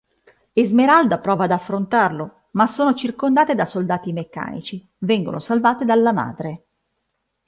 Esmeralda prova ad affrontarlo, ma sono circondate da soldati meccanici: vengono salvate dalla madre.